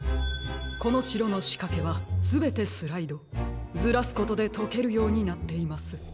このしろのしかけはすべてスライドずらすことでとけるようになっています。